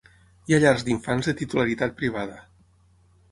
Hi ha llars d'infants de titularitat privada.